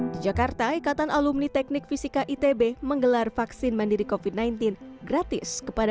di jakarta ikatan alumni teknik fisika itb menggelar vaksin mandiri kofit sembilan belas gratis kepada